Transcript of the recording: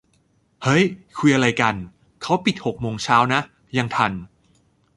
เฮ้ย คุยอะไรกัน ! เขาปิดหกโมงเช้านะ ยังทัน